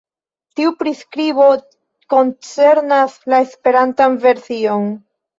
Tiu priskribo koncernas la Esperantan version.